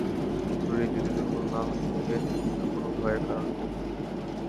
শরীর যদি দুর্বল না হতে থাকে তো কোন ভয়ের কারণ নাই।